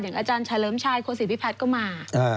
อย่างอาจารย์เฉลิมชัยโทษย์พิพัทย์ก็มา